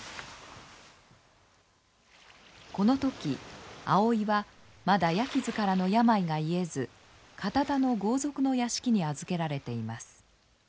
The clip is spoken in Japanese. この時葵はまだ矢傷からの病が癒えず堅田の豪族の屋敷に預けられています。